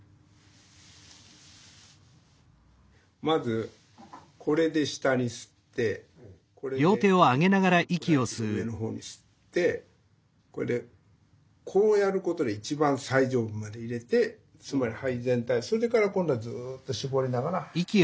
まずこれで下に吸ってこれで中くらいというか上の方に吸ってこれでこうやることで一番最上部まで入れてつまり肺全体それから今度はずっと絞りながら。